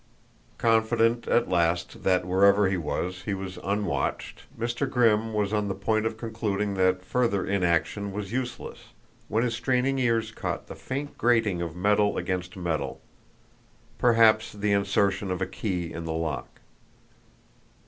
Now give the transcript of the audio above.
Confident, at last, that wherever he was, he was unwatched, Mr. Grimm was on the point of concluding that further inaction was useless, when his straining ears caught the faint grating of metal against metal perhaps the insertion of a key in the lock.